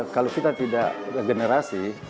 kalau kita tidak generasi